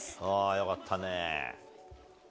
よかったね。